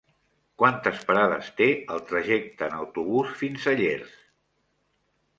Quantes parades té el trajecte en autobús fins a Llers?